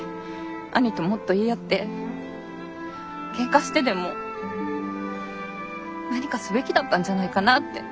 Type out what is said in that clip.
兄ともっと言い合ってけんかしてでも何かすべきだったんじゃないかなって。